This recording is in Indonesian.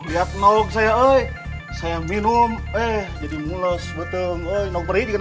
lihat nolok saya saya minum eh jadi mulus betul